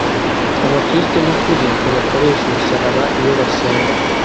Abakristo b ukuri ntibakoresha umusaraba iyo basenga